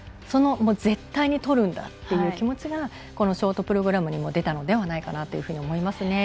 その絶対にとるんだという気持ちがショートプログラムにも出たのではないかなと思います。